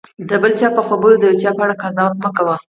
د بل چا په خبرو د یو چا په اړه قضاوت مه کوه.